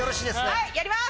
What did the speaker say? はいやります！